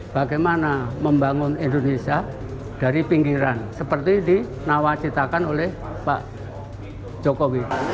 bagaimana membangun indonesia dari pinggiran seperti dinawacitakan oleh pak jokowi